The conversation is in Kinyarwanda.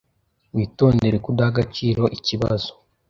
Witondere kudaha agaciro ikibazo.